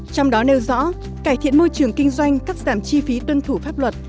trong đó nêu rõ cải thiện môi trường kinh doanh cắt giảm chi phí tuân thủ pháp luật